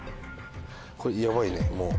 これヤバいねもう。